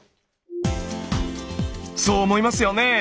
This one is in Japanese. そう思いますよね？